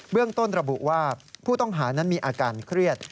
เรื่องต้นระบุว่าผู้ต้องหานั้นมีอาการเครียด